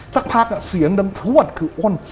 สักพักเสียงดังพลวดคืออ้น